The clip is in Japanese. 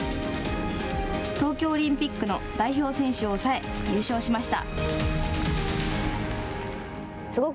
東京オリンピックの代表選手を抑え、優勝しました。